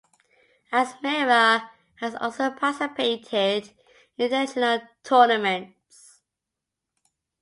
Asmara has also participated in international tournaments.